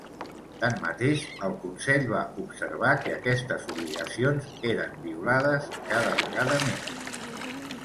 Tanmateix, el Consell va observar que aquestes obligacions eren violades cada vegada més.